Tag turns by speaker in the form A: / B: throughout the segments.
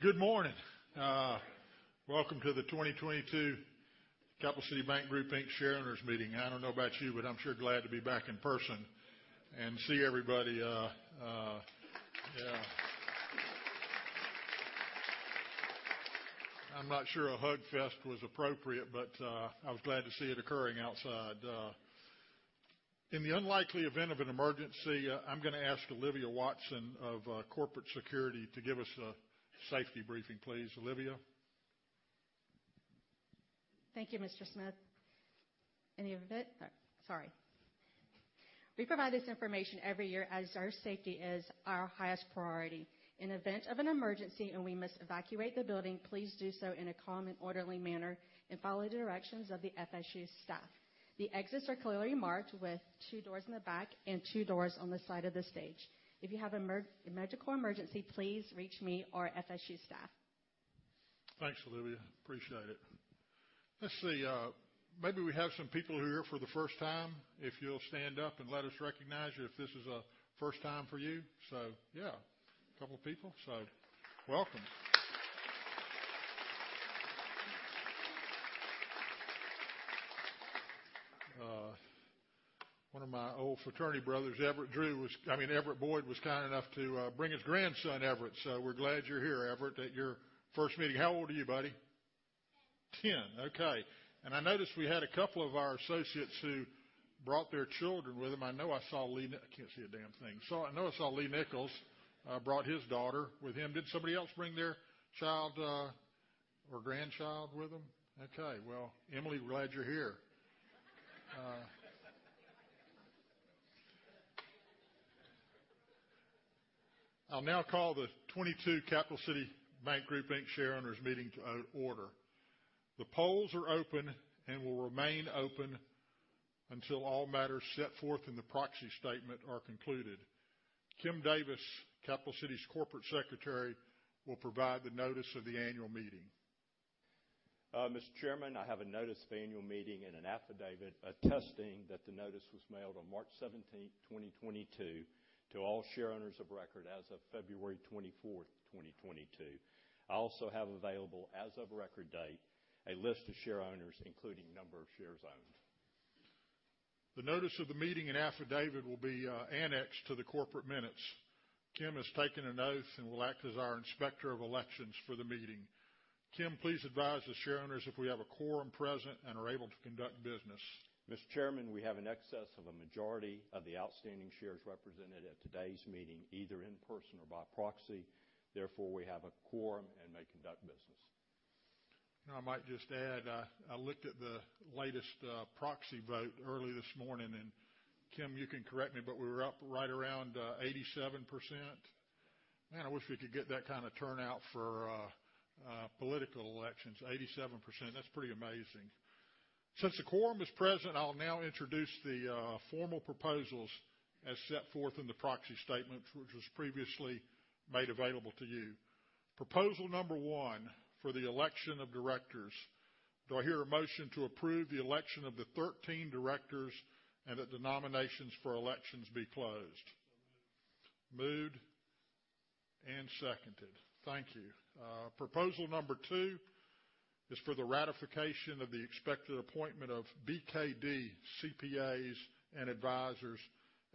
A: Good morning. Welcome to the 2022 Capital City Bank Group, Inc. Shareowners Meeting. I don't know about you, but I'm sure glad to be back in person and see everybody. I'm not sure a hug fest was appropriate, but I was glad to see it occurring outside. In the unlikely event of an emergency, I'm gonna ask Olivia Watson of Corporate Security to give us a safety briefing, please. Olivia.
B: Thank you, Mr. Smith. We provide this information every year as our safety is our highest priority. In the event of an emergency, and we must evacuate the building, please do so in a calm and orderly manner and follow the directions of the FSU staff. The exits are clearly marked with two doors in the back and two doors on the side of the stage. If you have a medical emergency, please reach me or FSU staff.
A: Thanks, Olivia. Appreciate it. Let's see, maybe we have some people who are here for the first time. If you'll stand up and let us recognize you if this is a first time for you. Yeah, a couple of people. Welcome. One of my old fraternity brothers, Everett Drew, I mean, Everett Boyd, was kind enough to bring his grandson, Everett. We're glad you're here, Everett, at your first meeting. How old are you, buddy?
B: 10.
A: 10. Okay. I noticed we had a couple of our associates who brought their children with them. I know I saw Lee Nichols brought his daughter with him. Did somebody else bring their child or grandchild with them? Okay. Well, Emily, glad you're here. I'll now call the 2022 Capital City Bank Group, Inc. Shareowners Meeting to order. The polls are open and will remain open until all matters set forth in the proxy statement are concluded. Kim Davis, Capital City's Corporate Secretary, will provide the notice of the annual meeting.
C: Mr. Chairman, I have a notice of annual meeting and an affidavit attesting that the notice was mailed on March 17th, 2022, to all shareowners of record as of February 24th, 2022. I also have available as of record date, a list of shareowners, including number of shares owned.
A: The notice of the meeting and affidavit will be annexed to the corporate minutes. Kim has taken an oath and will act as our inspector of elections for the meeting. Kim, please advise the shareowners if we have a quorum present and are able to conduct business.
C: Mr. Chairman, we have in excess of a majority of the outstanding shares represented at today's meeting, either in person or by proxy. Therefore, we have a quorum and may conduct business.
A: I might just add, I looked at the latest proxy vote early this morning, and Kim, you can correct me, but we were up right around 87%. Man, I wish we could get that kind of turnout for political elections. 87%, that's pretty amazing. Since the quorum is present, I'll now introduce the formal proposals as set forth in the proxy statement which was previously made available to you. Proposal number one for the election of directors. Do I hear a motion to approve the election of the 13 directors and that the nominations for elections be closed? Moved. Moved and seconded. Thank you. Proposal number two is for the ratification of the expected appointment of BKD CPAs & Advisors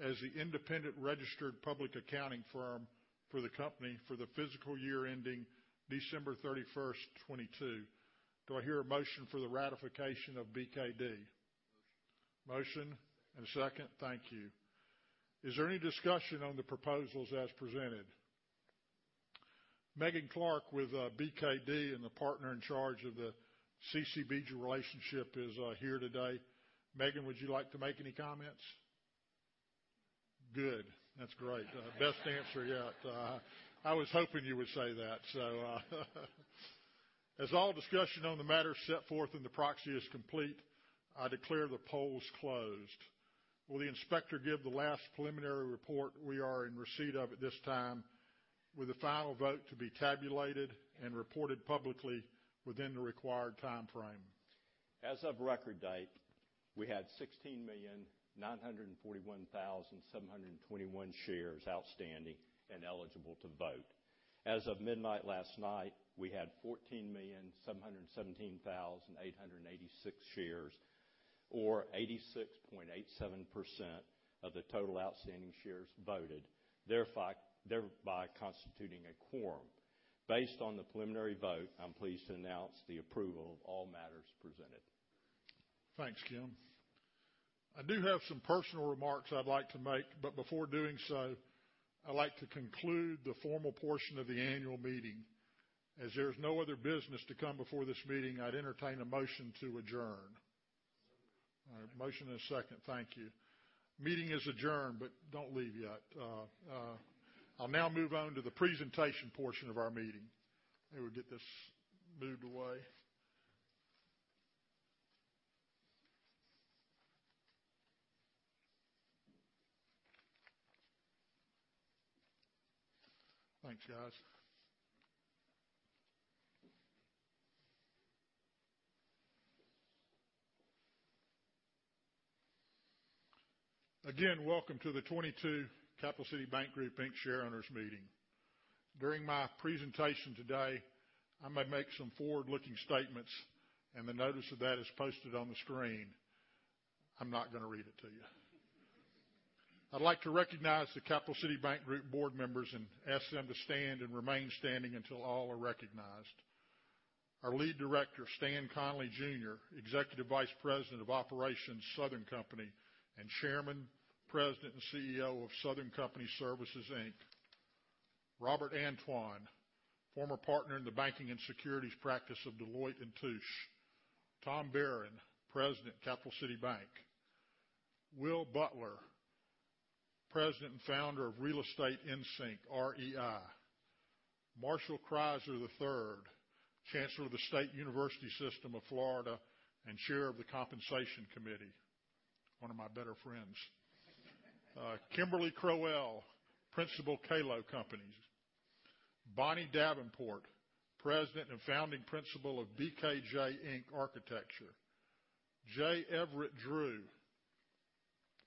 A: as the independent registered public accounting firm for the company for the fiscal year ending December 31st, 2022. Do I hear a motion for the ratification of BKD? Motion. Motion and second. Thank you. Is there any discussion on the proposals as presented? Megan Clark with BKD and the partner in charge of the CCB relationship is here today. Megan, would you like to make any comments? Good. That's great. Best answer yet. I was hoping you would say that. As all discussion on the matter set forth in the proxy is complete, I declare the polls closed. Will the inspector give the last preliminary report we are in receipt of at this time with the final vote to be tabulated and reported publicly within the required timeframe?
C: As of record date, we had 16,941,721 shares outstanding and eligible to vote. As of midnight last night, we had 14,717,886 shares or 86.87% of the total outstanding shares voted, thereby constituting a quorum. Based on the preliminary vote, I'm pleased to announce the approval of all matters presented.
A: Thanks, Kim. I do have some personal remarks I'd like to make, before doing so, I like to conclude the formal portion of the annual meeting. As there's no other business to come before this meeting, I'd entertain a motion to adjourn. Moved. All right. Motion and a second. Thank you. Meeting is adjourned, but don't leave yet. I'll now move on to the presentation portion of our meeting. Let me get this moved away. Thanks, guys. Again, welcome to the 2022 Capital City Bank Group, Inc. shareowners meeting. During my presentation today, I might make some forward-looking statements, and the notice of that is posted on the screen. I'm not gonna read it to you. I'd like to recognize the Capital City Bank Group board members and ask them to stand and remain standing until all are recognized. Our lead director, Stan Connally Jr., Executive Vice President, Operations, Southern Company, and Chairman, President, and CEO of Southern Company Services, Inc. Robert Antoine, former partner in the banking and securities practice of Deloitte & Touche. Tom Barron, President, Capital City Bank. Will Butler, President and Founder of Real Estate InSync, REI. Marshall Criser III, Chancellor of the State University System of Florida and Chair of the Compensation Committee, one of my better friends. Kimberly Crowell, Principal, Kalo Companies. Bonnie Davenport, President and Founding Principal of BKJ, Inc. Architecture. J. Everitt Drew,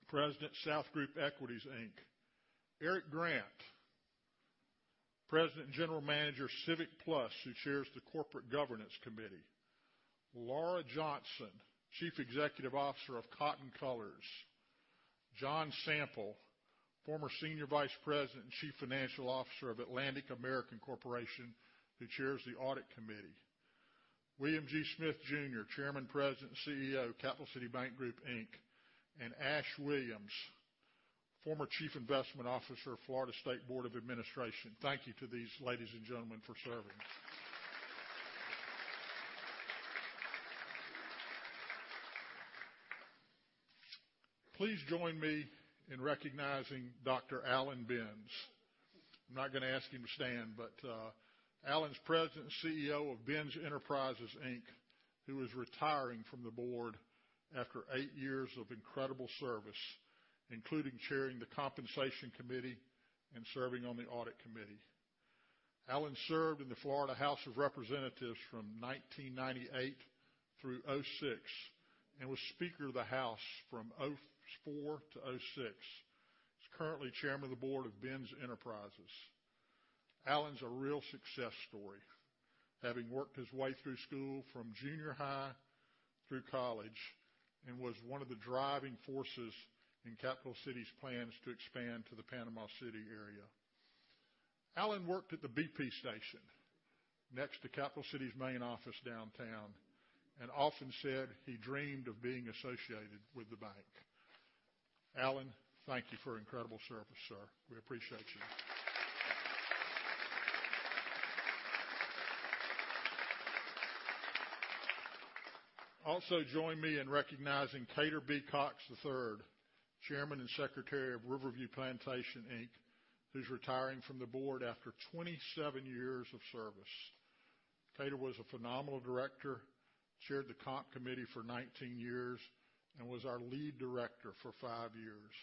A: President, SouthGroup Equities, Inc. Eric Grant, President and General Manager, CivicPlus, who chairs the Corporate Governance Committee. Laura Johnson, Chief Executive Officer of Coton Colors. John Sample, former Senior Vice President and Chief Financial Officer of Atlantic American Corporation, who chairs the Audit Committee. William G. Smith Jr., Chairman, President, and CEO, Capital City Bank Group, Inc. Ash Williams, former Chief Investment Officer, Florida State Board of Administration. Thank you to these ladies and gentlemen for serving. Please join me in recognizing Dr. Allan Bense. I'm not gonna ask him to stand, but, Allan's President and CEO of Bense Enterprises, Inc., who is retiring from the board after eight years of incredible service, including chairing the Compensation Committee and serving on the Audit Committee. Allan served in the Florida House of Representatives from 1998 through 2006, and was Speaker of the House from 2004-2006. He's currently Chairman of the Board of Bense Enterprises, Inc. Allan's a real success story, having worked his way through school from junior high through college, and was one of the driving forces in Capital City's plans to expand to the Panama City area. Allan worked at the BP station next to Capital City's main office downtown, and often said he dreamed of being associated with the bank. Allan, thank you for incredible service, sir. We appreciate you. Also join me in recognizing Cader B. Cox III, Chairman and Secretary of Riverview Plantation, Inc., who's retiring from the board after 27 years of service. Cader was a phenomenal director, chaired the Comp Committee for 19 years, and was our lead director for five years.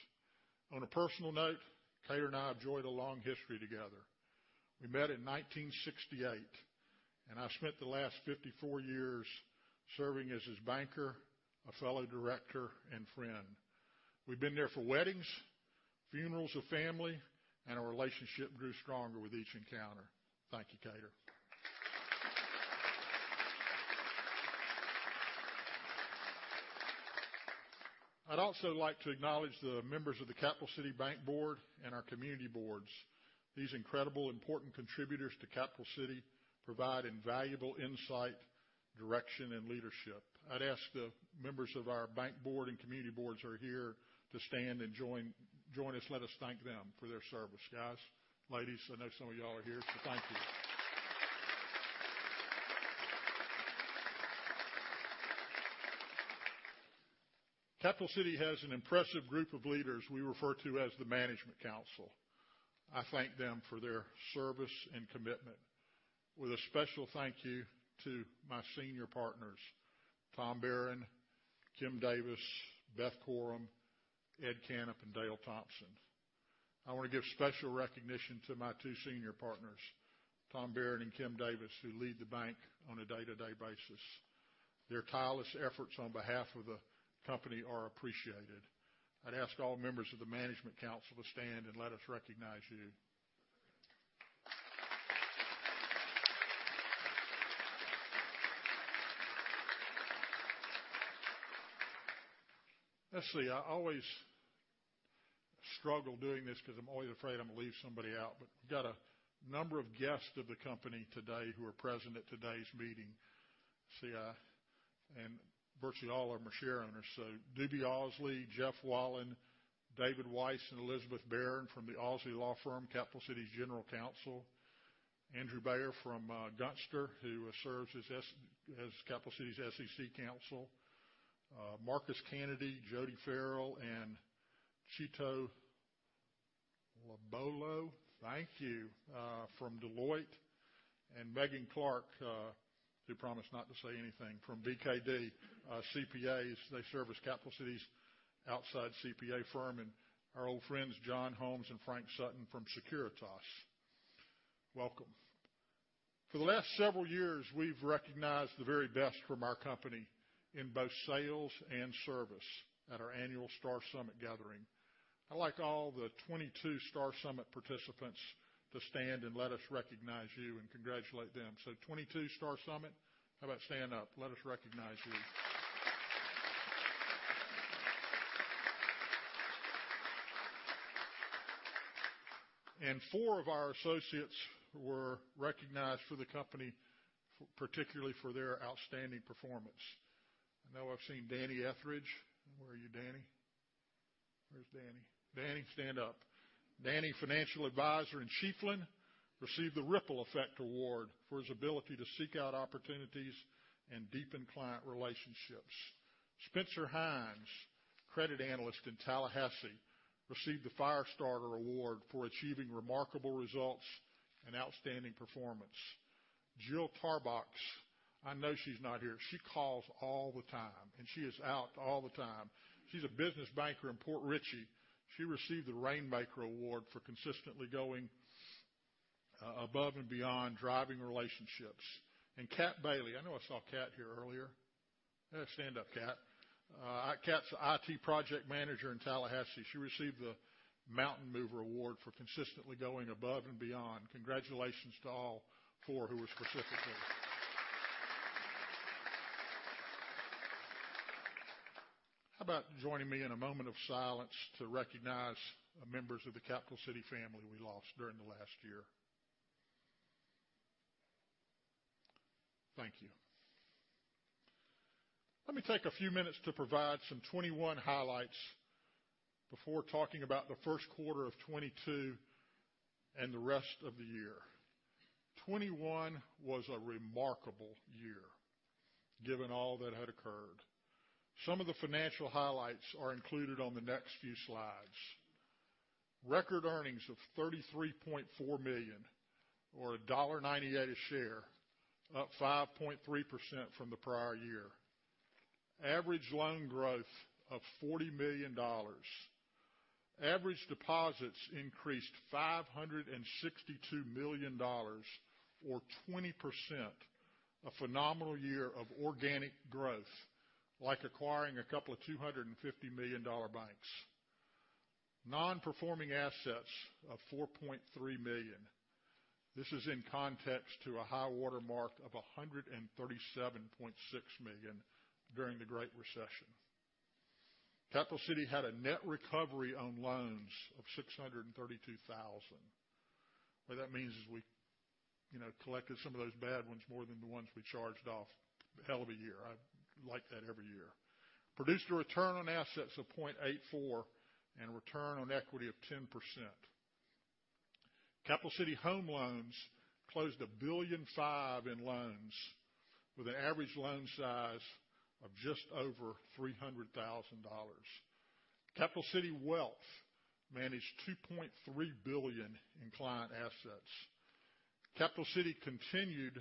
A: On a personal note, Cader and I have enjoyed a long history together. We met in 1968, and I've spent the last 54 years serving as his banker, a fellow director, and friend. We've been there for weddings, funerals of family, and our relationship grew stronger with each encounter. Thank you, Cader. I'd also like to acknowledge the members of the Capital City Bank board and our community boards. These incredible, important contributors to Capital City provide invaluable insight, direction, and leadership. I'd ask the members of our bank board and community boards who are here to stand and join us. Let us thank them for their service. Guys, ladies, I know some of y'all are here, so thank you. Capital City has an impressive group of leaders we refer to as the Management Council. I thank them for their service and commitment with a special thank you to my senior partners, Tom Barron, Kim Davis, Beth Corum, Ed Canup, and Dale Thompson. I wanna give special recognition to my two senior partners, Tom Barron and Kim Davis, who lead the bank on a day-to-day basis. Their tireless efforts on behalf of the company are appreciated. I'd ask all members of the Management Council to stand and let us recognize you. Let's see, I always struggle doing this 'cause I'm always afraid I'm gonna leave somebody out. We've got a number of guests of the company today who are present at today's meeting. Virtually all of them are shareowners. D.B. Ausley McMullen, Jeff Wahlen, David Weiss and Elizabeth Barron from Ausley McMullen, Capital City's general counsel. Andrew Bayer from Gunster, who serves as Capital City's SEC counsel. Marcus Canady, Jody Farrell, and Chito Lobolo, thank you, from Deloitte. Megan Clark, who promised not to say anything, from BKD CPAs. They serve as Capital City's outside CPA firm. Our old friends, John Holmes and Frank Sutton from Securitas. Welcome. For the last several years, we've recognized the very best from our company in both sales and service at our annual Star Summit gathering. I'd like all the 22 Star Summit participants to stand and let us recognize you and congratulate them. 22 Star Summit, how about stand up? Let us recognize you. Four of our associates were recognized for the company, particularly for their outstanding performance. I know I've seen Danny Etheridge. Where are you, Danny? Where's Danny? Danny, stand up. Danny, financial advisor in Chiefland, received the Ripple Effect Award for his ability to seek out opportunities and deepen client relationships. Spencer Hines, credit analyst in Tallahassee, received the Fire Starter Award for achieving remarkable results and outstanding performance. Jill Tarbox, I know she's not here. She calls all the time, and she is out all the time. She's a business banker in Port Richey. She received the Rainmaker Award for consistently going above and beyond driving relationships. Kat Bailey. I know I saw Kat here earlier. Yeah, stand up, Kat. Kat's the IT project manager in Tallahassee. She received the Mountain Mover Award for consistently going above and beyond. Congratulations to all four who were specifically. How about joining me in a moment of silence to recognize members of the Capital City family we lost during the last year. Thank you. Let me take a few minutes to provide some 2021 highlights before talking about the first quarter of 2022 and the rest of the year. 2021 was a remarkable year, given all that had occurred. Some of the financial highlights are included on the next few slides. Record earnings of $33.4 million or $1.98 a share, up 5.3% from the prior year. Average loan growth of $40 million. Average deposits increased $562 million or 20%. A phenomenal year of organic growth, like acquiring a couple of $250 million dollar banks. Non-performing assets of $4.3 million. This is in context to a high-water mark of $137.6 million during the Great Recession. Capital City had a net recovery on loans of $632,000. What that means is we, you know, collected some of those bad ones more than the ones we charged off. Hell of a year. I'd like that every year. Produced a return on assets of 0.84 and return on equity of 10%. Capital City Home Loans closed $1.5 billion in loans with an average loan size of just over $300,000. Capital City Wealth managed $2.3 billion in client assets. Capital City continued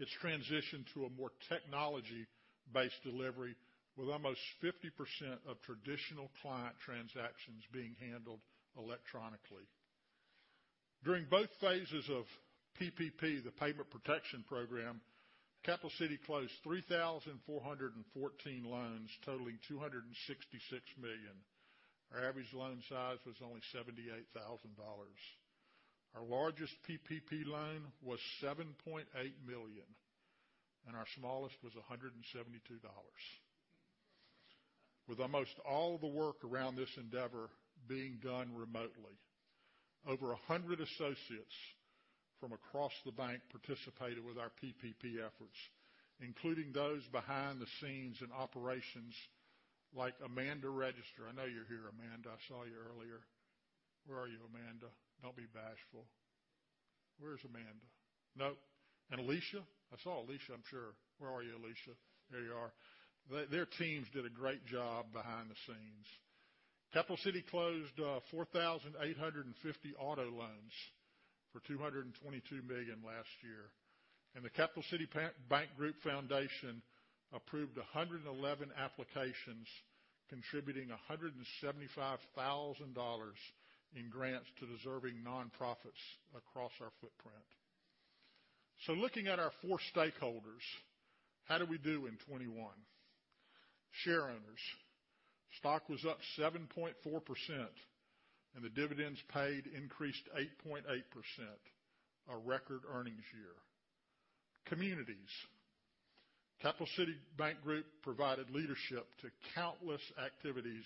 A: its transition to a more technology-based delivery, with almost 50% of traditional client transactions being handled electronically. During both phases of PPP, the Paycheck Protection Program, Capital City closed 3,414 loans totaling $266 million. Our average loan size was only $78,000. Our largest PPP loan was $7.8 million, and our smallest was $172, with almost all the work around this endeavor being done remotely. Over 100 associates from across the bank participated with our PPP efforts, including those behind the scenes in operations like Amanda Register. I know you're here, Amanda. I saw you earlier. Where are you, Amanda? Don't be bashful. Where's Amanda? Nope. Alicia? I saw Alicia, I'm sure. Where are you, Alicia? There you are. Their teams did a great job behind the scenes. Capital City closed 4,850 auto loans for $222 million last year. The Capital City Bank Group Foundation approved 111 applications, contributing $175,000 in grants to deserving nonprofits across our footprint. Looking at our four stakeholders, how did we do in 2021? Shareowners. Stock was up 7.4%, and the dividends paid increased 8.8%, a record earnings year. Communities. Capital City Bank Group provided leadership to countless activities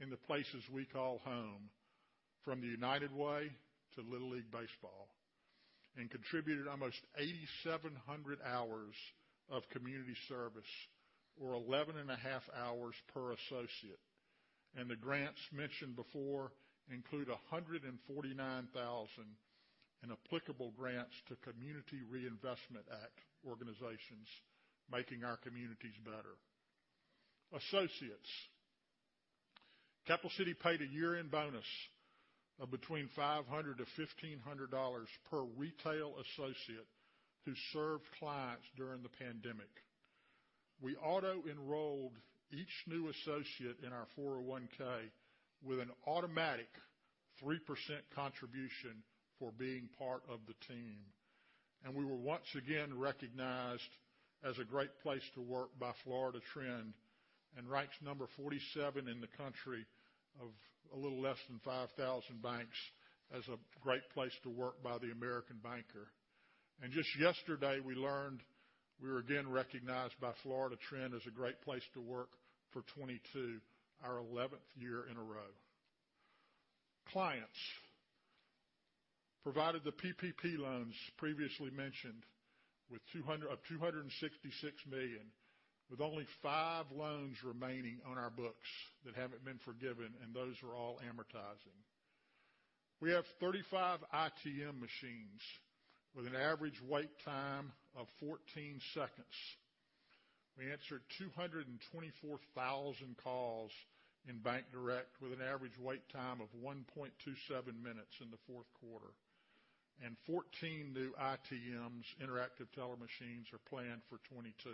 A: in the places we call home, from the United Way to Little League Baseball, and contributed almost 8,700 hours of community service or 11.5 hours per associate. The grants mentioned before include $149,000 in applicable grants to Community Reinvestment Act organizations, making our communities better. Associates. Capital City paid a year-end bonus of between $500-$1,500 per retail associate who served clients during the pandemic. We auto-enrolled each new associate in our 401(k) with an automatic 3% contribution for being part of the team. We were once again recognized as a great place to work by Florida Trend and ranked number 47 in the country of a little less than 5,000 banks as a great place to work by the American Banker. Just yesterday, we learned we were again recognized by Florida Trend as a great place to work for 2022, our 11th year in a row. We provided the PPP loans previously mentioned with $266 million, with only five loans remaining on our books that haven't been forgiven, and those are all amortizing. We have 35 ITM machines with an average wait time of 14 seconds. We answered 224,000 calls in bank direct with an average wait time of 1.27 minutes in the fourth quarter. 14 new ITMs, interactive teller machines, are planned for 2022.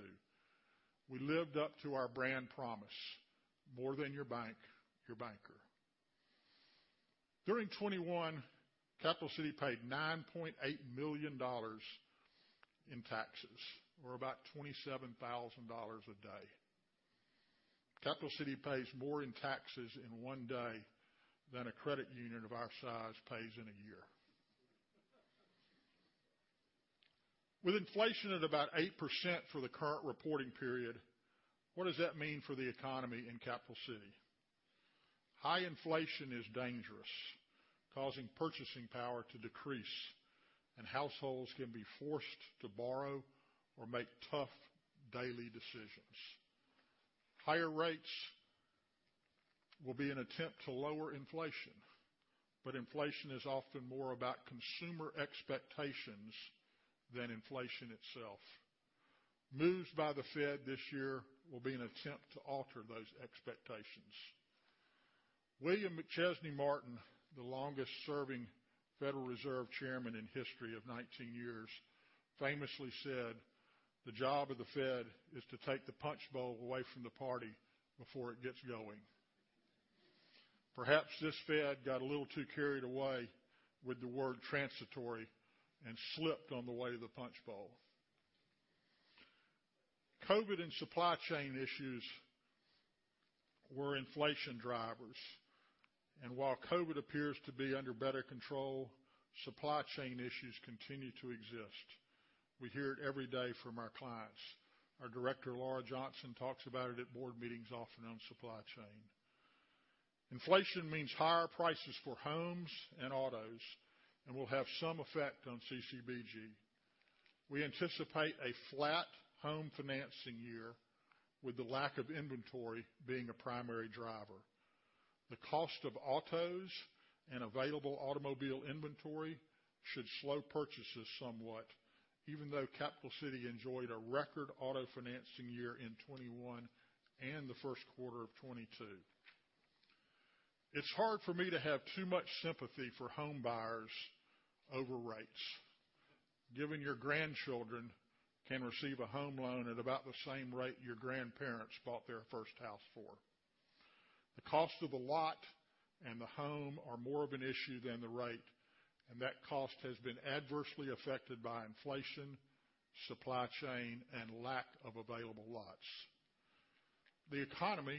A: We lived up to our brand promise, more than your bank, your banker. During 2021, Capital City paid $9.8 million in taxes or about $27,000 a day. Capital City pays more in taxes in one day than a credit union of our size pays in a year. With inflation at about 8% for the current reporting period, what does that mean for the economy in Capital City? High inflation is dangerous, causing purchasing power to decrease, and households can be forced to borrow or make tough daily decisions. Higher rates will be an attempt to lower inflation, but inflation is often more about consumer expectations than inflation itself. Moves by the Fed this year will be an attempt to alter those expectations. William McChesney Martin, the longest-serving Federal Reserve Chairman in history of 19 years, famously said, "The job of the Fed is to take the punchbowl away from the party before it gets going." Perhaps this Fed got a little too carried away with the word transitory and slipped on the way to the punchbowl. COVID and supply chain issues were inflation drivers, and while COVID appears to be under better control, supply chain issues continue to exist. We hear it every day from our clients. Our director, Laura Johnson, talks about it at board meetings often on supply chain. Inflation means higher prices for homes and autos and will have some effect on CCBG. We anticipate a flat home financing year with the lack of inventory being a primary driver. The cost of autos and available automobile inventory should slow purchases somewhat, even though Capital City enjoyed a record auto financing year in 2021 and the first quarter of 2022. It's hard for me to have too much sympathy for homebuyers over rates, given your grandchildren can receive a home loan at about the same rate your grandparents bought their first house for. The cost of the lot and the home are more of an issue than the rate, and that cost has been adversely affected by inflation, supply chain, and lack of available lots. The economy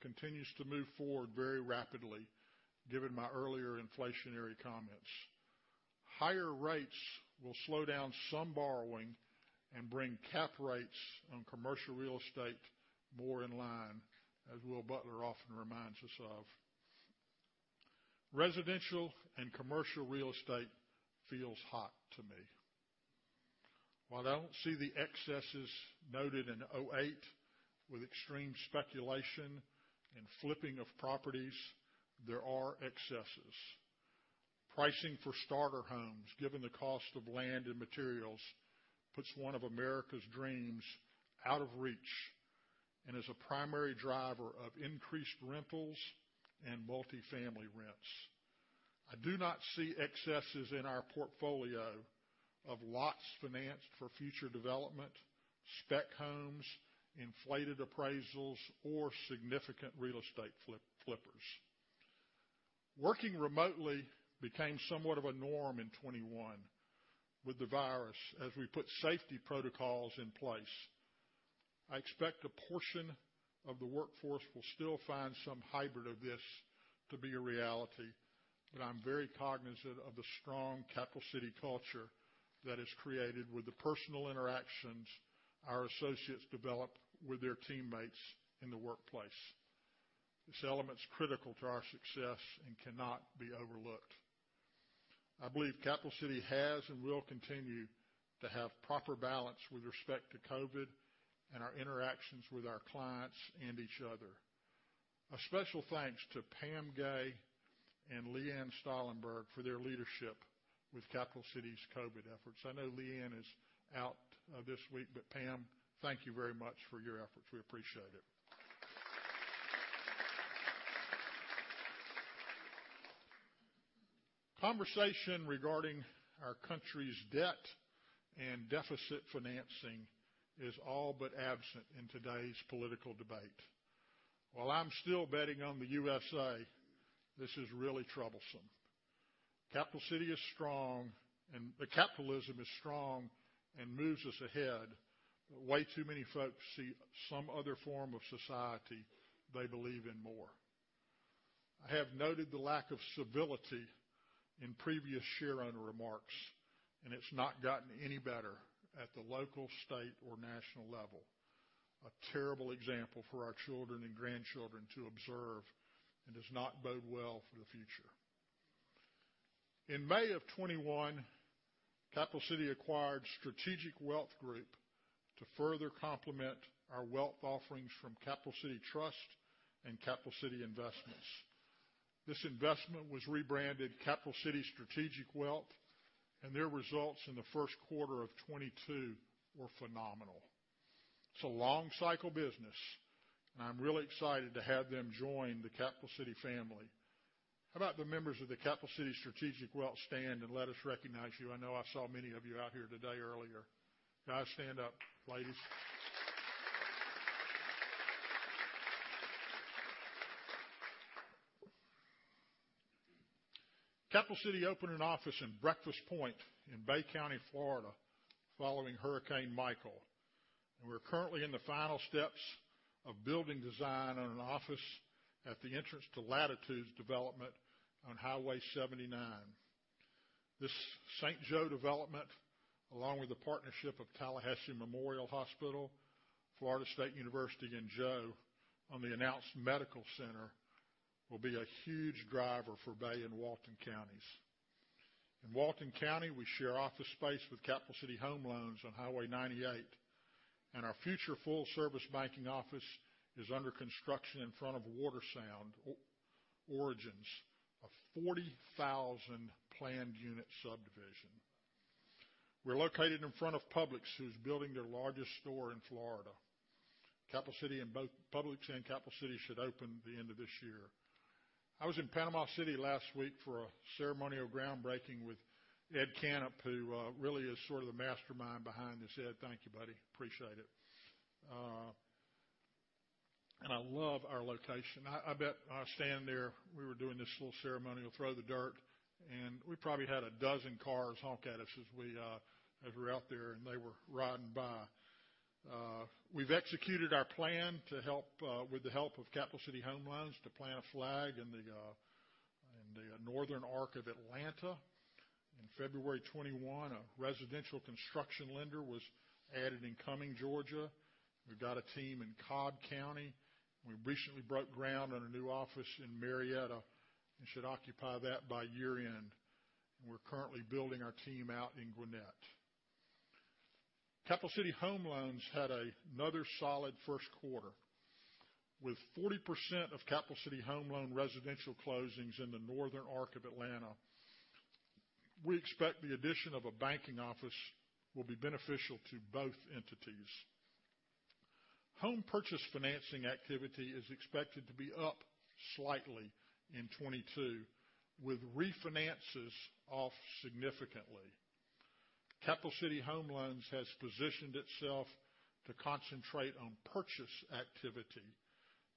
A: continues to move forward very rapidly, given my earlier inflationary comments. Higher rates will slow down some borrowing and bring cap rates on commercial real estate more in line, as Will Butler often reminds us of. Residential and commercial real estate feels hot to me. While I don't see the excesses noted in 2008 with extreme speculation and flipping of properties, there are excesses. Pricing for starter homes, given the cost of land and materials, puts one of America's dreams out of reach and is a primary driver of increased rentals and multifamily rents. I do not see excesses in our portfolio of lots financed for future development, spec homes, inflated appraisals or significant real estate flippers. Working remotely became somewhat of a norm in 2021 with the virus as we put safety protocols in place. I expect a portion of the workforce will still find some hybrid of this to be a reality, but I'm very cognizant of the strong Capital City culture that is created with the personal interactions our associates develop with their teammates in the workplace. This element's critical to our success and cannot be overlooked. I believe Capital City has and will continue to have proper balance with respect to COVID and our interactions with our clients and each other. A special thanks to Pam Gay and Leanne Stallenberg for their leadership with Capital City's COVID efforts. I know Leanne is out this week, but Pam, thank you very much for your efforts. We appreciate it. Conversation regarding our country's debt and deficit financing is all but absent in today's political debate. While I'm still betting on the USA, this is really troublesome. Capital City is strong but capitalism is strong and moves us ahead. Way too many folks see some other form of society they believe in more. I have noted the lack of civility in previous shareowner remarks, and it's not gotten any better at the local, state or national level. A terrible example for our children and grandchildren to observe and does not bode well for the future. In May of 2021, Capital City acquired Strategic Wealth Group to further complement our wealth offerings from Capital City Trust and Capital City Investments. This investment was rebranded Capital City Strategic Wealth, and their results in the first quarter of 2022 were phenomenal. It's a long cycle business, and I'm really excited to have them join the Capital City family. How about the members of the Capital City Strategic Wealth stand and let us recognize you? I know I saw many of you out here today earlier. Guys, stand up. Ladies. Capital City opened an office in Breakfast Point in Bay County, Florida, following Hurricane Michael. We're currently in the final steps of building design on an office at the entrance to Latitude Margaritaville Watersound on Highway 79. This St. The development, along with the partnership of Tallahassee Memorial HealthCare, Florida State University and the announced medical center will be a huge driver for Bay and Walton counties. In Walton County, we share office space with Capital City Home Loans on Highway 98. Our future full service banking office is under construction in front of Watersound Origins, a 40,000 planned unit subdivision. We're located in front of Publix who's building their largest store in Florida. Both Publix and Capital City should open the end of this year. I was in Panama City last week for a ceremonial groundbreaking with Ed Canup, who really is sort of the mastermind behind this. Ed, thank you, buddy. Appreciate it. I love our location. I bet standing there we were doing this little ceremonial throw the dirt, and we probably had a dozen cars honk at us as we were out there and they were riding by. We've executed our plan to help with the help of Capital City Home Loans to plant a flag in the northern arc of Atlanta. In February 2021, a residential construction lender was added in Cumming, Georgia. We've got a team in Cobb County. We recently broke ground on a new office in Marietta and should occupy that by year-end. We're currently building our team out in Gwinnett. Capital City Home Loans had another solid first quarter. With 40% of Capital City Home Loans residential closings in the northern arc of Atlanta, we expect the addition of a banking office will be beneficial to both entities. Home purchase financing activity is expected to be up slightly in 2022, with refinances off significantly. Capital City Home Loans has positioned itself to concentrate on purchase activity,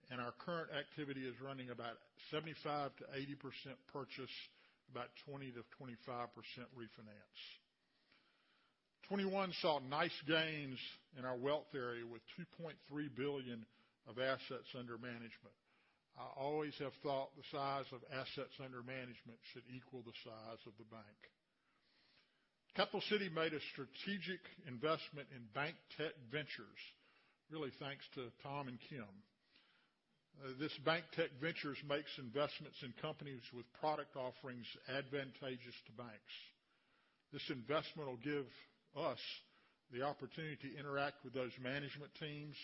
A: and our current activity is running about 75%-80% purchase, about 20%-25% refinance. 2021 saw nice gains in our wealth area with $2.3 billion of assets under management. I always have thought the size of assets under management should equal the size of the bank. Capital City made a strategic investment in BankTech Ventures. Really, thanks to Tom and Kim. This BankTech Ventures makes investments in companies with product offerings advantageous to banks. This investment will give us the opportunity to interact with those management teams,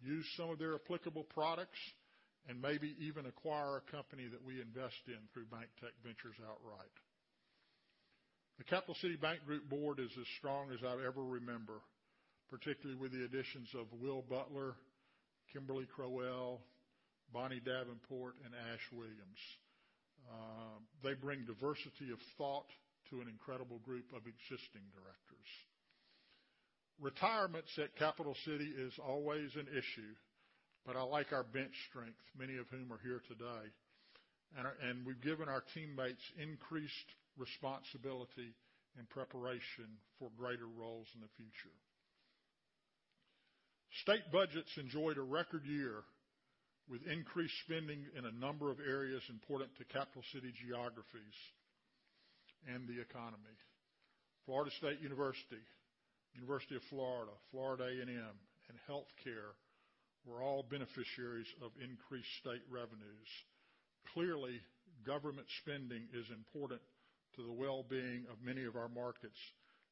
A: use some of their applicable products, and maybe even acquire a company that we invest in through BankTech Ventures outright. The Capital City Bank Group board is as strong as I've ever remember, particularly with the additions of Will Butler, Kimberly Crowell, Bonnie Davenport, and Ash Williams. They bring diversity of thought to an incredible group of existing directors. Retirements at Capital City is always an issue, but I like our bench strength, many of whom are here today. We've given our teammates increased responsibility in preparation for greater roles in the future. State budgets enjoyed a record year with increased spending in a number of areas important to Capital City geographies and the economy. Florida State University of Florida A&M, and healthcare were all beneficiaries of increased state revenues. Clearly, government spending is important to the well-being of many of our markets,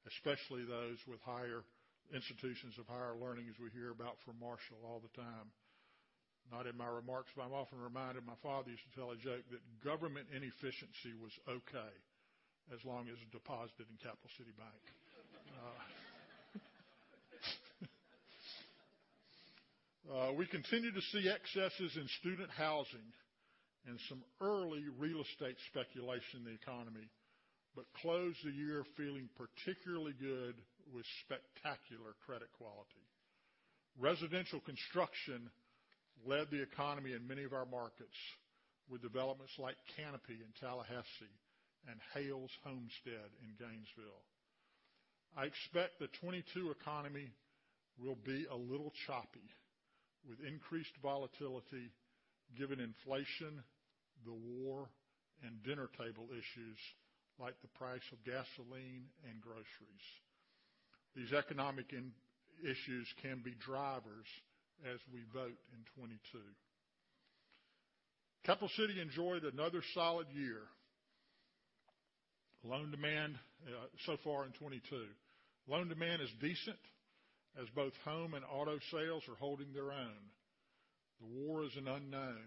A: especially those with higher institutions of higher learning, as we hear about from Marshall all the time. Not in my remarks, but I'm often reminded my father used to tell a joke that government inefficiency was okay, as long as it deposited in Capital City Bank. We continue to see excesses in student housing and some early real estate speculation in the economy, but closed the year feeling particularly good with spectacular credit quality. Residential construction led the economy in many of our markets, with developments like Canopy in Tallahassee and Haile Homestead in Gainesville. I expect the 2022 economy will be a little choppy, with increased volatility given inflation, the war, and dinner table issues like the price of gasoline and groceries. These economic issues can be drivers as we vote in 2022. Capital City enjoyed another solid year. Loan demand so far in 2022 is decent, as both home and auto sales are holding their own. The war is an unknown,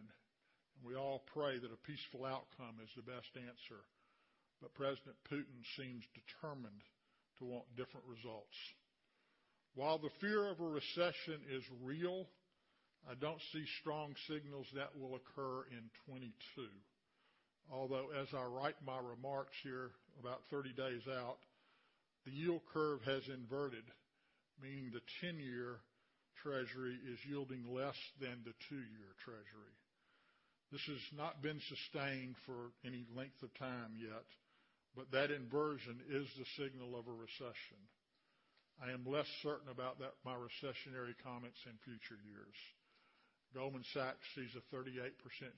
A: and we all pray that a peaceful outcome is the best answer. President Putin seems determined to want different results. While the fear of a recession is real, I don't see strong signals that will occur in 2022. Although as I write my remarks here about 30 days out, the yield curve has inverted, meaning the 10-year Treasury is yielding less than the two-year Treasury. This has not been sustained for any length of time yet, but that inversion is the signal of a recession. I am less certain about that, my recessionary comments in future years. Goldman Sachs sees a 38%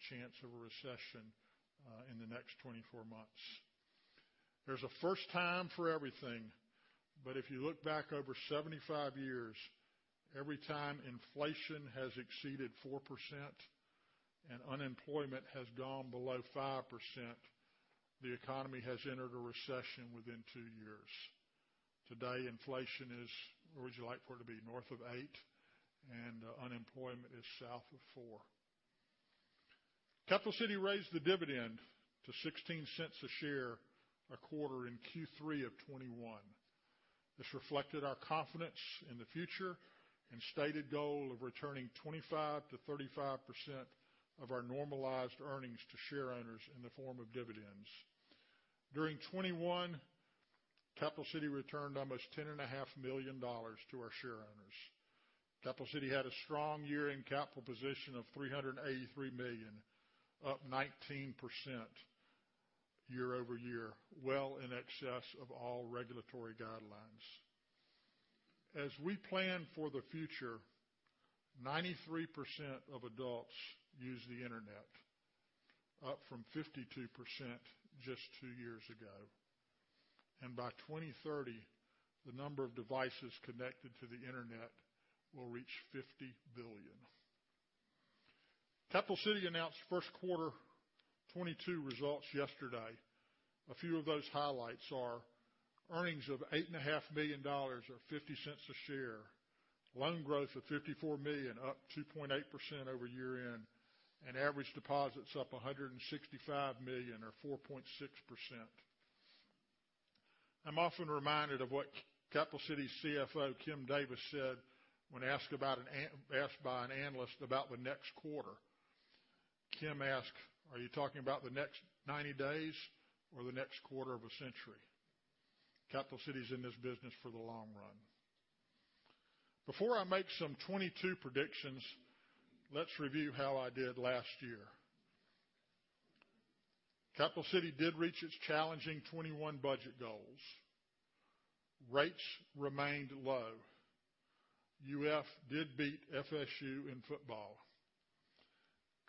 A: chance of a recession in the next 24 months. There's a first time for everything, but if you look back over 75 years, every time inflation has exceeded 4% and unemployment has gone below 5%, the economy has entered a recession within two years. Today, inflation is where would you like for it to be? North of 8%, and unemployment is south of 4%. Capital City raised the dividend to $0.16 a share a quarter in Q3 of 2021. This reflected our confidence in the future and stated goal of returning 25%-35% of our normalized earnings to share owners in the form of dividends. During 2021, Capital City returned almost $10.5 million to our share owners. Capital City had a strong year-end capital position of $383 million, up 19% year-over-year, well in excess of all regulatory guidelines. As we plan for the future, 93% of adults use the Internet, up from 52% just two years ago. By 2030, the number of devices connected to the Internet will reach 50 billion. Capital City announced first quarter 2022 results yesterday. A few of those highlights are earnings of eight and a half million dollars or 0.50 a share, loan growth of $54 million, up 2.8% over year-end, and average deposits up $165 million or 4.6%. I'm often reminded of what Capital City CFO Kim Davis said when asked by an analyst about the next quarter. Kim asked, "Are you talking about the next 90 days or the next quarter of a century?" Capital City is in this business for the long run. Before I make some 2022 predictions, let's review how I did last year. Capital City did reach its challenging 2021 budget goals. Rates remained low. UF did beat FSU in football.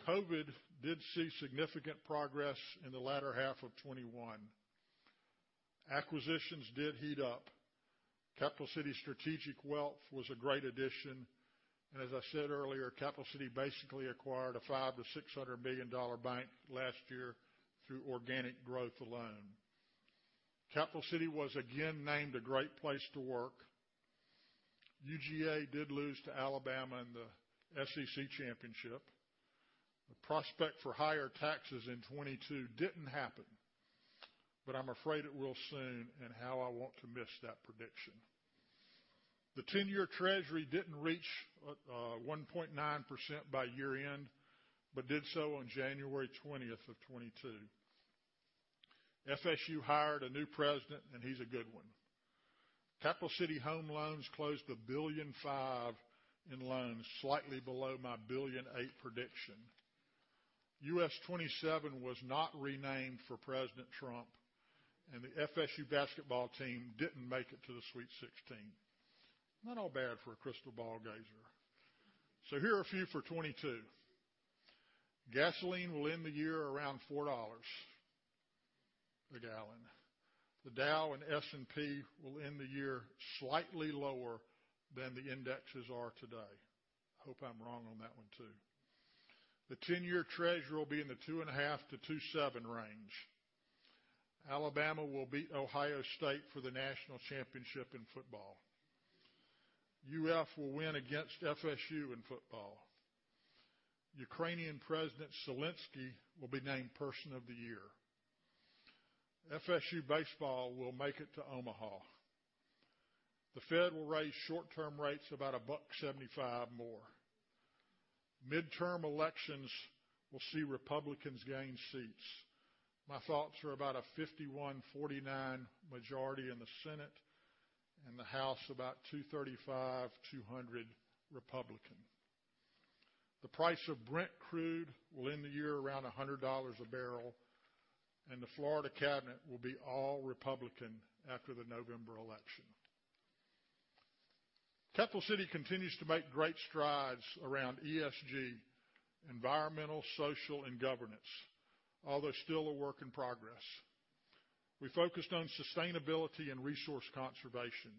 A: COVID did see significant progress in the latter half of 2021. Acquisitions did heat up. Capital City Strategic Wealth was a great addition. As I said earlier, Capital City basically acquired a $500 million-$600 million bank last year through organic growth alone. Capital City was again named a great place to work. UGA did lose to Alabama in the SEC Championship. The prospect for higher taxes in 2022 didn't happen, but I'm afraid it will soon, and how I want to miss that prediction. The 10-year Treasury didn't reach 1.9% by year-end, but did so on January 20th, 2022. FSU hired a new president, and he's a good one. Capital City Home Loans closed $1.005 billion in loans, slightly below my $1.8 billion prediction. U.S. 27 was not renamed for President Trump, and the FSU basketball team didn't make it to the Sweet Sixteen. Not all bad for a crystal ball gazer. Here are a few for 2022. Gasoline will end the year around $4 a gallon. The Dow and S&P will end the year slightly lower than the indexes are today. Hope I'm wrong on that one too. The 10-year Treasury will be in the 2.5-2.7 range. Alabama will beat Ohio State for the national championship in football. UF will win against FSU in football. Ukrainian President Zelenskyy will be named Person of the Year. FSU baseball will make it to Omaha. The Fed will raise short-term rates about $1.75 more. Midterm elections will see Republicans gain seats. My thoughts are about a 51-49 majority in the Senate, and the House about 235-200 Republican. The price of Brent crude will end the year around $100 a barrel, and the Florida Cabinet will be all Republican after the November election. Capital City continues to make great strides around ESG, environmental, social, and governance, although still a work in progress. We focused on sustainability and resource conservation,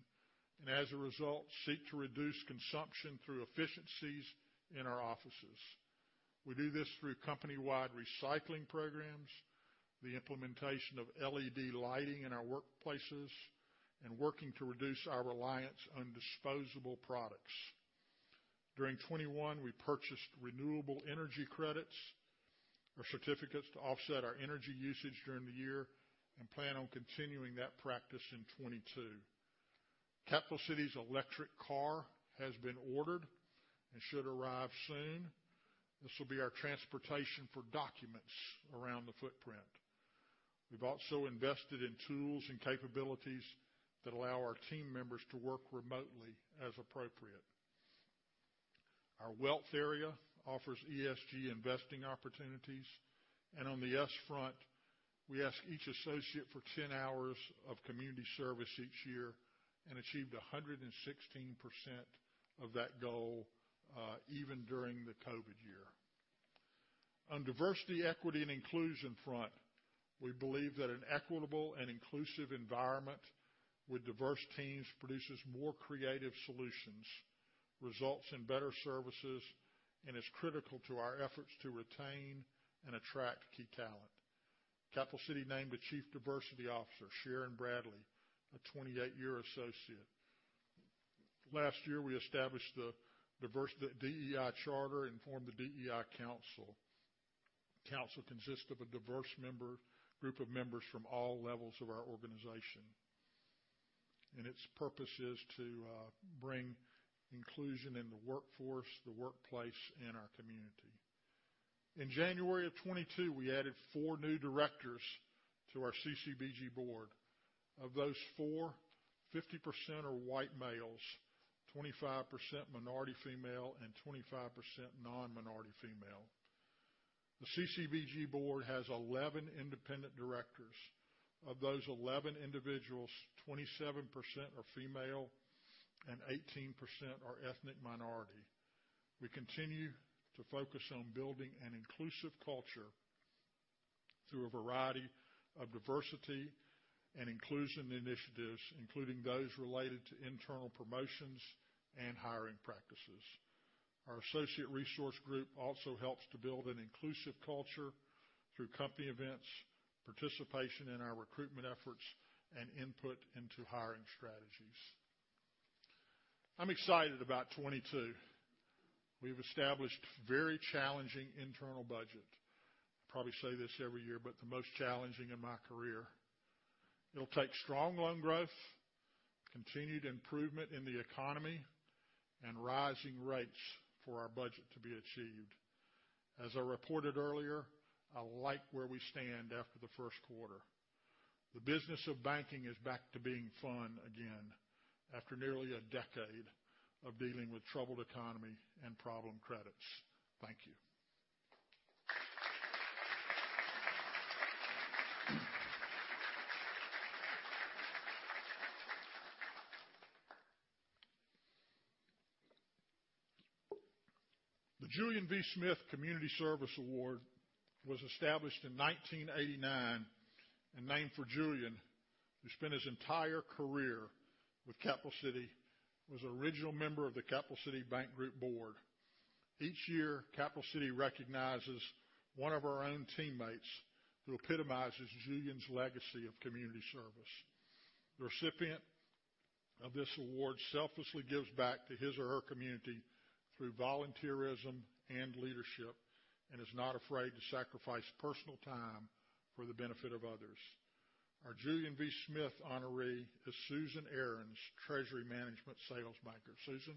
A: and as a result, seek to reduce consumption through efficiencies in our offices. We do this through company-wide recycling programs, the implementation of LED lighting in our workplaces, and working to reduce our reliance on disposable products. During 2021, we purchased renewable energy credits or certificates to offset our energy usage during the year and plan on continuing that practice in 2022. Capital City's electric car has been ordered and should arrive soon. This will be our transportation for documents around the footprint. We've also invested in tools and capabilities that allow our team members to work remotely as appropriate. Our wealth area offers ESG investing opportunities, and on the S front, we ask each associate for 10 hours of community service each year and achieved 116% of that goal, even during the COVID year. On diversity, equity, and inclusion front, we believe that an equitable and inclusive environment with diverse teams produces more creative solutions, results in better services, and is critical to our efforts to retain and attract key talent. Capital City named the Chief Diversity Officer, Sharon Bradley, a 28-year associate. Last year, we established the DEI charter and formed the DEI Council. Council consists of a diverse group of members from all levels of our organization, and its purpose is to bring inclusion in the workforce, the workplace, and our community. In January of 2022, we added four new directors to our CCBG board. Of those four, 50% are white males, 25% minority female, and 25% non-minority female. The CCBG board has 11 independent directors. Of those 11 individuals, 27% are female and 18% are ethnic minority. We continue to focus on building an inclusive culture through a variety of diversity and inclusion initiatives, including those related to internal promotions and hiring practices. Our associate resource group also helps to build an inclusive culture through company events, participation in our recruitment efforts, and input into hiring strategies. I'm excited about 2022. We've established very challenging internal budget. probably say this every year, but the most challenging in my career. It'll take strong loan growth, continued improvement in the economy, and rising rates for our budget to be achieved. As I reported earlier, I like where we stand after the first quarter. The business of banking is back to being fun again after nearly a decade of dealing with troubled economy and problem credits. Thank you. The Julian V. Smith Community Service Award was established in 1989 and named for Julian, who spent his entire career with Capital City and was an original member of the Capital City Bank Group board. Each year, Capital City recognizes one of our own teammates who epitomizes Julian's legacy of community service. The recipient of this award selflessly gives back to his or her community through volunteerism and leadership and is not afraid to sacrifice personal time for the benefit of others. Our Julian V. Smith honoree is Susan Ahrens, Treasury Management Sales Banker. Susan.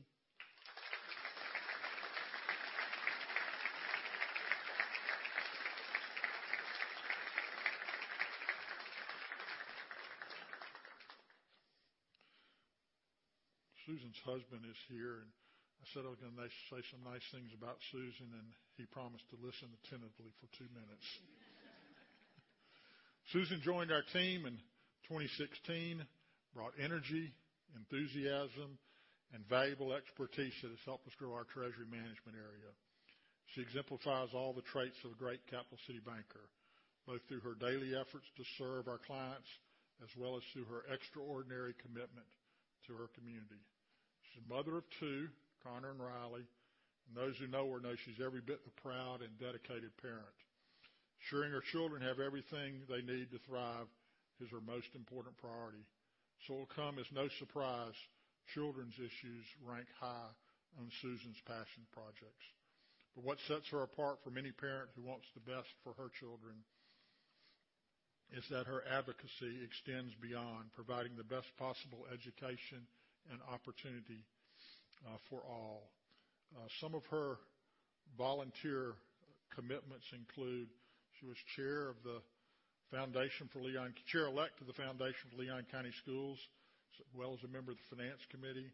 A: Susan's husband is here, and I said I was gonna say some nice things about Susan, and he promised to listen attentively for two minutes. Susan joined our team in 2016, brought energy, enthusiasm, and valuable expertise to help us grow our treasury management area. She exemplifies all the traits of a great Capital City banker, both through her daily efforts to serve our clients as well as through her extraordinary commitment to her community. She's a mother of two, Connor and Riley, and those who know her know she's every bit a proud and dedicated parent. Ensuring her children have everything they need to thrive is her most important priority. It'll come as no surprise children's issues rank high on Susan's passion projects. What sets her apart from any parent who wants the best for her children is that her advocacy extends beyond providing the best possible education and opportunity for all. Some of her volunteer commitments include. She was chair-elect of the Foundation for Leon County Schools, as well as a member of the finance committee,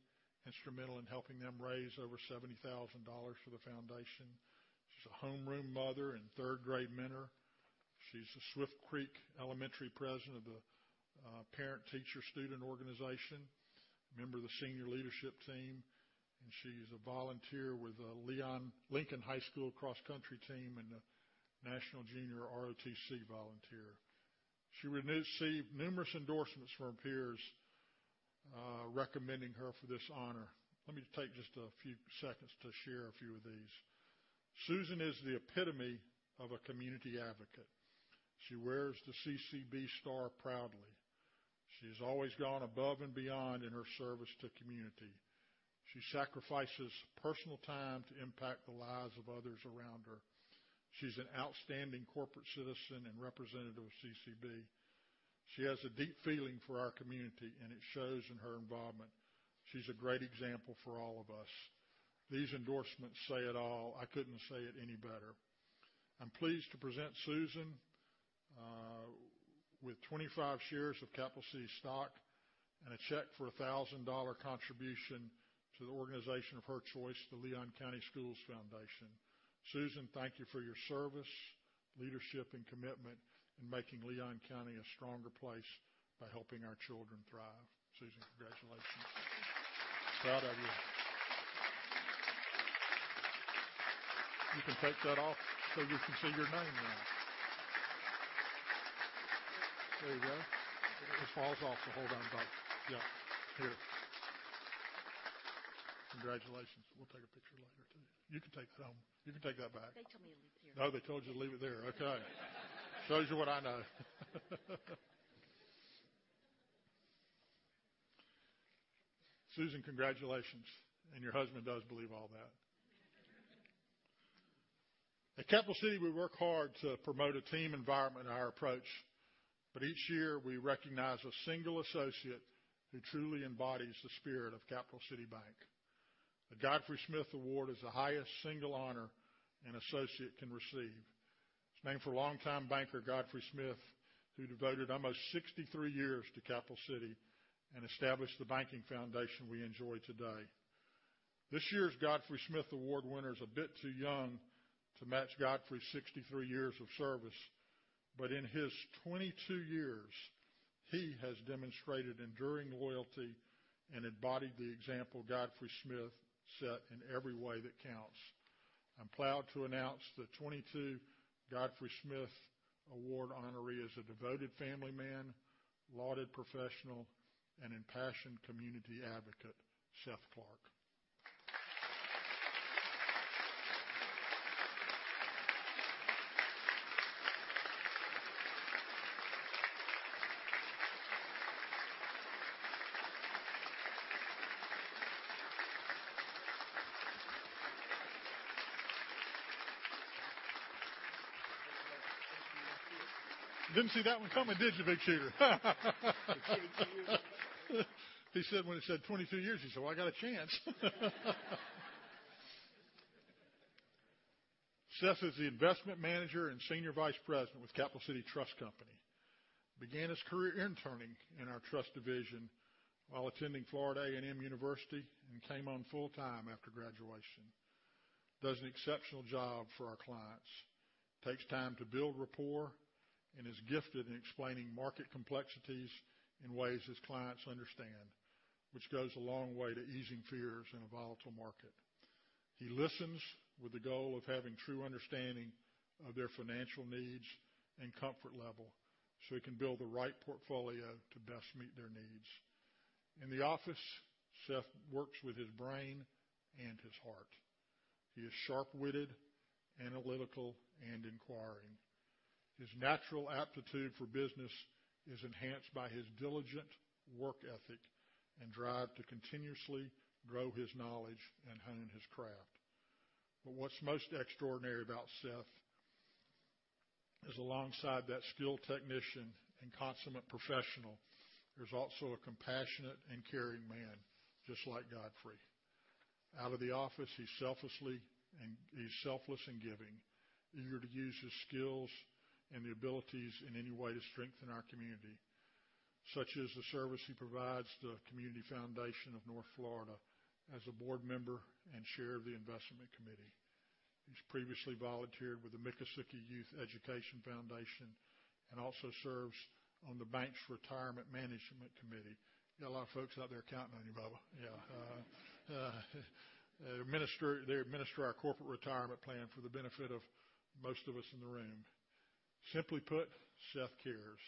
A: instrumental in helping them raise over $70,000 for the foundation. She's a homeroom mother and third-grade mentor. She's the Swift Creek Elementary president of the parent-teacher-student organization, member of the senior leadership team, and she's a volunteer with the Lincoln High School cross-country team and a National Junior ROTC volunteer. She received numerous endorsements from peers recommending her for this honor. Let me take just a few seconds to share a few of these. "Susan is the epitome of a community advocate. She wears the CCB star proudly. She's always gone above and beyond in her service to community. She sacrifices personal time to impact the lives of others around her. She's an outstanding corporate citizen and representative of CCB. She has a deep feeling for our community, and it shows in her involvement. She's a great example for all of us." These endorsements say it all. I couldn't say it any better. I'm pleased to present Susan with 25 shares of Capital City stock and a check for a $1,000 contribution to the organization of her choice, the Foundation for Leon County Schools. Susan, thank you for your service, leadership, and commitment in making Leon County a stronger place by helping our children thrive. Susan, congratulations. Proud of you. You can take that off so you can see your name now. There you go. It falls off, so hold on. Yeah, here. Congratulations. We'll take a picture later, too. You can take that home. You can take that back.
D: They told me to leave it here.
A: Oh, they told you to leave it there. Okay. Shows you what I know. Susan, congratulations. Your husband does believe all that. At Capital City, we work hard to promote a team environment in our approach. Each year, we recognize a single associate who truly embodies the spirit of Capital City Bank. The Godfrey Smith Award is the highest single honor an associate can receive. It's named for longtime banker Godfrey Smith, who devoted almost 63 years to Capital City and established the banking foundation we enjoy today. This year's Godfrey Smith Award winner is a bit too young to match Godfrey's 63 years of service, but in his 22 years, he has demonstrated enduring loyalty and embodied the example Godfrey Smith set in every way that counts. I'm proud to announce the 22 Godfrey Smith Award honoree is a devoted family man, lauded professional, and impassioned community advocate, Seth Clark. Didn't see that one coming, did you, big cheater? When he said 22 years, you said, "Well, I got a chance." Seth is the investment manager and senior vice president with Capital City Trust Company. He began his career interning in our trust division while attending Florida A&M University, and came on full-time after graduation. Does an exceptional job for our clients, takes time to build rapport, and is gifted in explaining market complexities in ways his clients understand, which goes a long way to easing fears in a volatile market. He listens with the goal of having true understanding of their financial needs and comfort level, so he can build the right portfolio to best meet their needs. In the office, Seth works with his brain and his heart. He is sharp-witted, analytical, and inquiring. His natural aptitude for business is enhanced by his diligent work ethic and drive to continuously grow his knowledge and hone his craft. What's most extraordinary about Seth is alongside that skilled technician and consummate professional, there's also a compassionate and caring man, just like Godfrey. Out of the office, he's selfless in giving, eager to use his skills and abilities in any way to strengthen our community, such as the service he provides to the Community Foundation of North Florida as a board member and chair of the investment committee. He's previously volunteered with the Miccosukee Youth Education Foundation and also serves on the bank's retirement management committee. Got a lot of folks out there counting on you, bubba. Yeah. They administer our corporate retirement plan for the benefit of most of us in the room. Simply put, Seth cares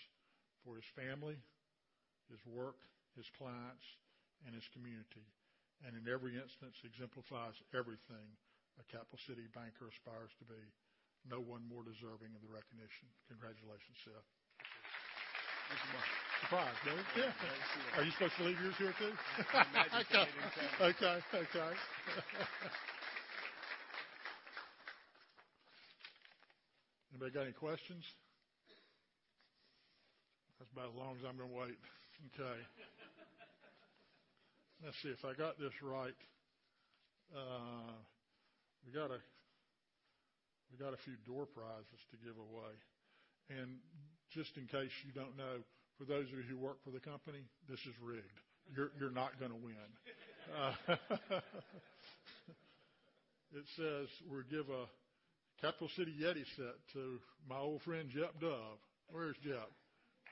A: for his family, his work, his clients, and his community, and in every instance, exemplifies everything a Capital City banker aspires to be. No one more deserving of the recognition. Congratulations, Seth. Surprise, right? Yeah. Are you supposed to leave yours here too?
E: I'm not just kidding.
A: Okay. Anybody got any questions? That's about as long as I'm gonna wait. Okay. Let's see if I got this right. We got a few door prizes to give away. Just in case you don't know, for those of you who work for the company, this is rigged. You're not gonna win. It says we'll give a Capital City YETI set to my old friend, Jep Larkin. Where's Jep?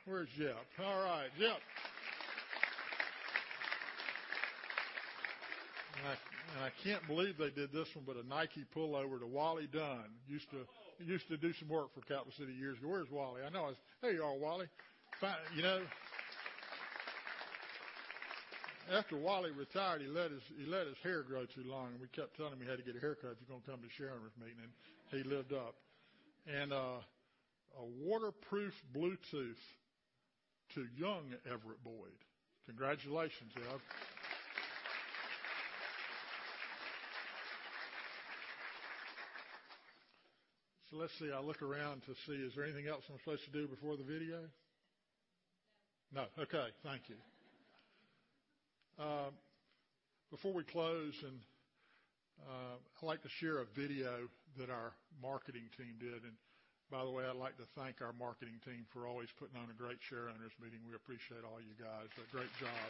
A: Where's Jep? All right, Jep. I can't believe they did this one, but a Nike pullover to Wally Dunn.
B: Hello.
A: Used to do some work for Capital City years ago. Where's Wally? I know. There you are, Wally. After Wally retired, he let his hair grow too long, and we kept telling him he had to get a haircut if he's gonna come to shareholders' meeting, and he lived up. A waterproof Bluetooth to young Everett Boyd. Congratulations, Ev. Let's see. I'll look around to see is there anything else I'm supposed to do before the video?
B: No.
A: No. Okay. Thank you. Before we close, I'd like to share a video that our marketing team did. By the way, I'd like to thank our marketing team for always putting on a great shareholders' meeting. We appreciate all you guys. Great job.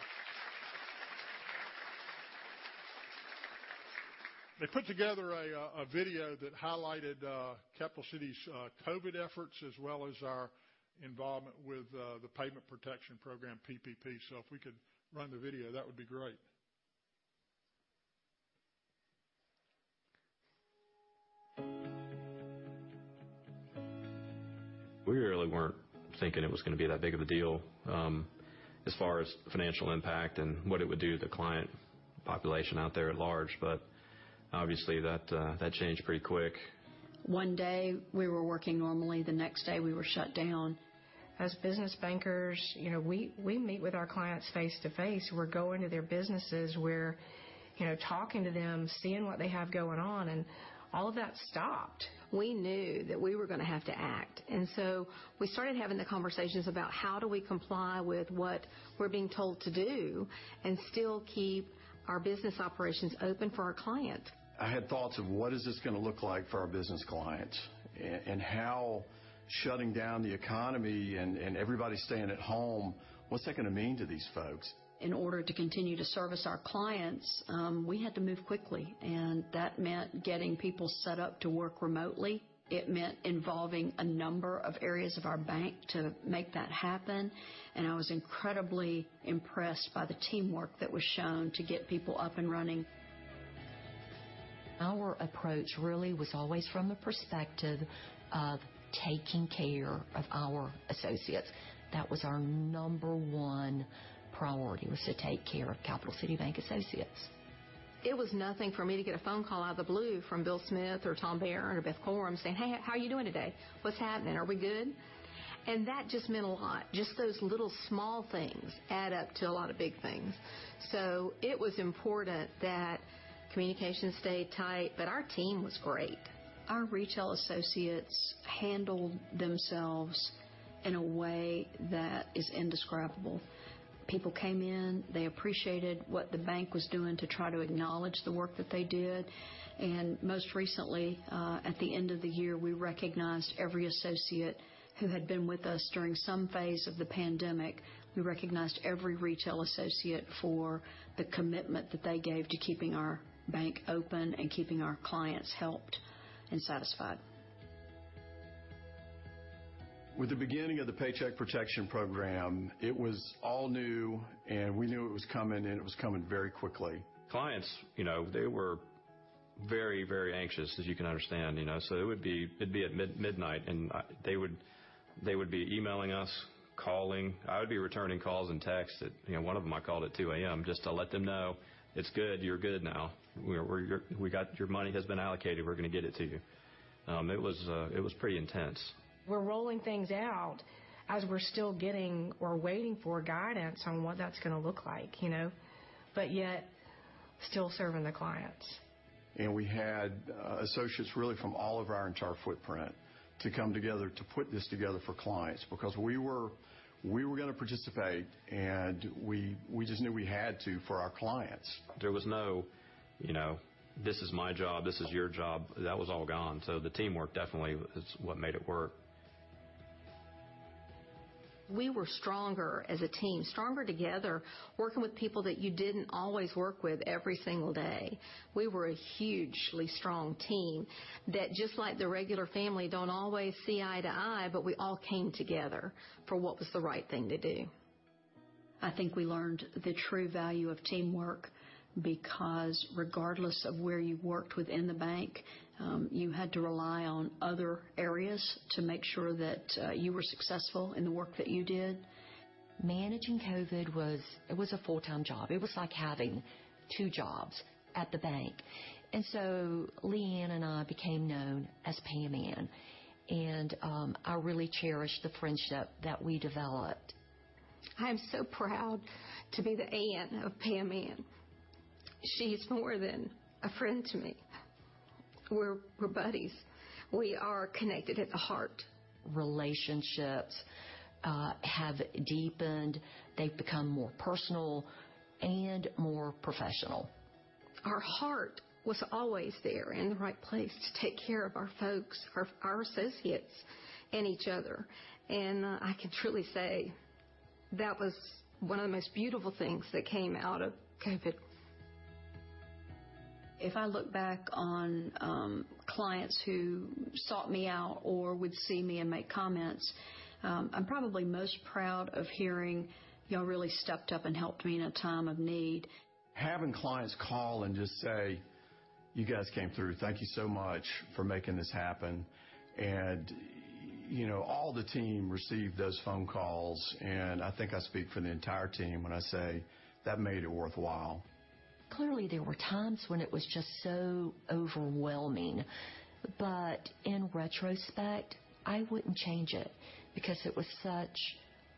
A: They put together a video that highlighted Capital City's COVID efforts, as well as our involvement with the Paycheck Protection Program, PPP. If we could run the video, that would be great.
F: We really weren't thinking it was gonna be that big of a deal, as far as the financial impact and what it would do to the client population out there at large. Obviously that changed pretty quick.
G: One day we were working normally, the next day we were shut down. As business bankers, you know, we meet with our clients face-to-face. We're going to their businesses, you know, talking to them, seeing what they have going on, and all of that stopped. We knew that we were gonna have to act, and so we started having the conversations about how do we comply with what we're being told to do and still keep our business operations open for our client.
F: I had thoughts of what is this gonna look like for our business clients? How shutting down the economy and everybody staying at home, what's that gonna mean to these folks?
G: In order to continue to service our clients, we had to move quickly, and that meant getting people set up to work remotely. It meant involving a number of areas of our bank to make that happen, and I was incredibly impressed by the teamwork that was shown to get people up and running. Our approach really was always from the perspective of taking care of our associates. That was our number one priority, was to take care of Capital City Bank associates. It was nothing for me to get a phone call out of the blue from Bill Smith or Tom Barron or Beth Corum saying, "Hey, how are you doing today? What's happening? Are we good?" That just meant a lot. Just those little small things add up to a lot of big things. It was important that communication stayed tight. Our team was great. Our retail associates handled themselves in a way that is indescribable. People came in, they appreciated what the bank was doing to try to acknowledge the work that they did. Most recently, at the end of the year, we recognized every associate who had been with us during some phase of the pandemic. We recognized every retail associate for the commitment that they gave to keeping our bank open and keeping our clients happy and satisfied.
F: With the beginning of the Paycheck Protection Program, it was all new, and we knew it was coming, and it was coming very quickly. Clients, you know, they were very, very anxious as you can understand, you know. It'd be at midnight, and they would be emailing us, calling. I would be returning calls and texts. You know, one of them I called at 2 A.M. just to let them know, "It's good. You're good now. You know, your money has been allocated. We're gonna get it to you." It was pretty intense.
G: We're rolling things out as we're still getting or waiting for guidance on what that's gonna look like, you know. Yet, still serving the clients.
F: We had associates really from all of our entire footprint to come together to put this together for clients because we were gonna participate, and we just knew we had to for our clients. There was no, you know, "This is my job. This is your job." That was all gone. The teamwork definitely is what made it work.
G: We were stronger as a team, stronger together, working with people that you didn't always work with every single day. We were a hugely strong team that just like the regular family, don't always see eye to eye, but we all came together for what was the right thing to do. I think we learned the true value of teamwork because regardless of where you worked within the bank, you had to rely on other areas to make sure that you were successful in the work that you did. Managing COVID was a full-time job. It was like having two jobs at the bank. Leanne and I became known as Pam Anne. I really cherish the friendship that we developed.
H: I am so proud to be the Anne of Pam Anne. She's more than a friend to me. We're buddies. We are connected at the heart.
G: Relationships have deepened. They've become more personal and more professional.
H: Our heart was always there in the right place to take care of our folks, our associates, and each other. I can truly say that was one of the most beautiful things that came out of COVID.
G: If I look back on clients who sought me out or would see me and make comments, I'm probably most proud of hearing, "Y'all really stepped up and helped me in a time of need.
F: Having clients call and just say, "You guys came through. Thank you so much for making this happen." You know, all the team received those phone calls, and I think I speak for the entire team when I say that made it worthwhile.
G: Clearly, there were times when it was just so overwhelming. In retrospect, I wouldn't change it because it was such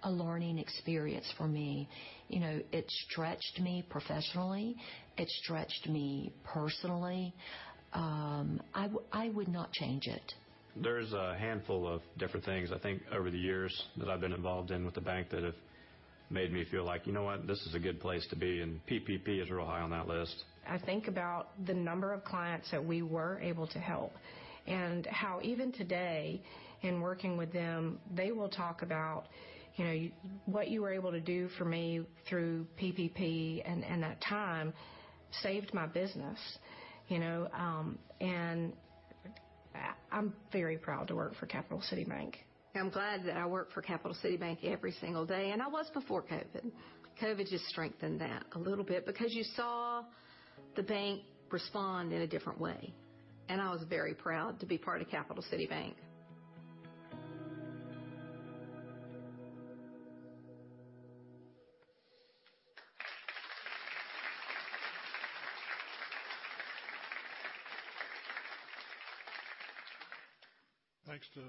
G: a learning experience for me. You know, it stretched me professionally. It stretched me personally. I would not change it.
F: There's a handful of different things, I think, over the years that I've been involved in with the bank that have made me feel like, "You know what? This is a good place to be in." PPP is real high on that list.
G: I think about the number of clients that we were able to help and how even today in working with them, they will talk about, you know, what you were able to do for me through PPP and that time saved my business. You know, I'm very proud to work for Capital City Bank. I'm glad that I work for Capital City Bank every single day, and I was before COVID. COVID just strengthened that a little bit because you saw the bank respond in a different way. I was very proud to be part of Capital City Bank.
A: Thanks to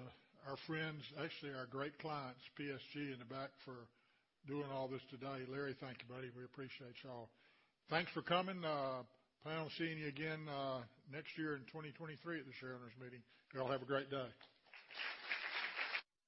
A: our friends, actually our great clients, PSG in the back, for doing all this today. Larry, thank you, buddy. We appreciate y'all. Thanks for coming. Panel, seeing you again next year in 2023 at the shareholders meeting. Y'all have a great day.